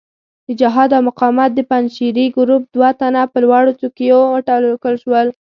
د جهاد او مقاومت د پنجشیري ګروپ دوه تنه په لوړو څوکیو وټاکل شول.